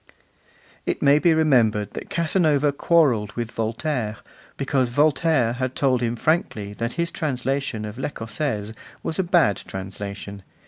It may be remembered that Casanova quarrelled with Voltaire, because Voltaire had told him frankly that his translation of L'Ecossaise was a bad translation.